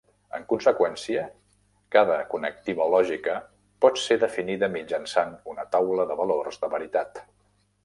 En conseqüència, cada connectiva lògica pot ser definida mitjançant una taula de valors de veritat.